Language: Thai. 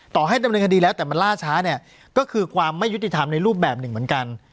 ต่อให้ดำเนินคดีแล้วแต่มันล่าช้าเนี่ยก็คือความไม่ยุติธรรมในรูปแบบหนึ่งเหมือนกัน